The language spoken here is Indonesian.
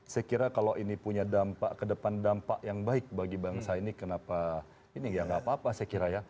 saya kira kalau ini punya dampak ke depan dampak yang baik bagi bangsa ini kenapa ini ya nggak apa apa saya kira ya